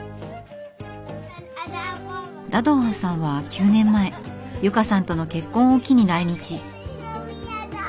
ラドワンさんは９年前由佳さんとの結婚を機に来日。